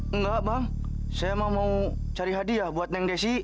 enggak bang saya mau cari hadiah buat neng desi